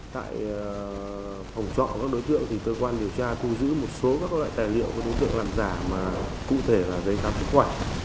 tại phòng trọ của các đối tượng thì cơ quan điều tra thu giữ một số các loại tài liệu đối tượng làm giả mà cụ thể là giấy khám sức khỏe